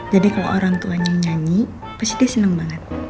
jadi kalau orang tuanya nyanyi pasti dia seneng banget